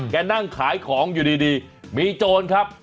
นั่งขายของอยู่ดีมีโจรครับ